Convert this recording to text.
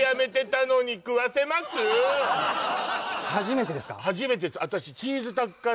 初めてです私